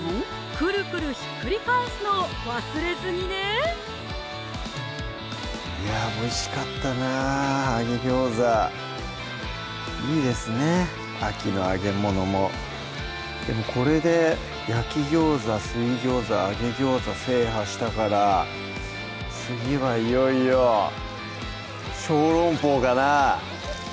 クルクルひっくり返すのを忘れずにねいやぁおいしかったな揚げ餃子いいですね秋の揚げものもでもこれで焼き餃子・水餃子・揚げ餃子制覇したから次はいよいよショーロンポーかなぁ？